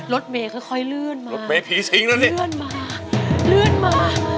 รถเมย์ค่อยเลื่อนมา